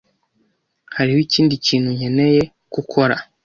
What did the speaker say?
Hariho ikindi kintu nkeneye ko ukora.